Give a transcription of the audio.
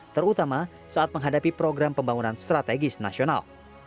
terutama saat menghadapi program pembangunan strategis nasional